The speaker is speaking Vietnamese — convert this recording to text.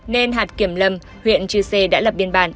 nên hạt kiểm lâm huyện chư sê đã lập biên bản